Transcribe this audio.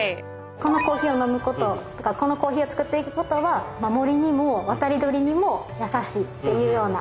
このコーヒーを飲むこととかこのコーヒーを作っていくことは森にも渡り鳥にも優しいっていうようなコーヒーになります。